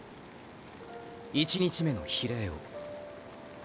１日目の非礼を。